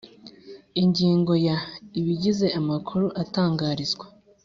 Ingingo ya ibigize amakuru atangarizwa